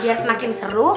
biar makin seru